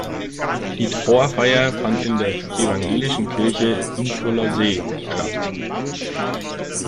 Die Trauerfeier fand in der evangelischen Kirche Nikolassee statt.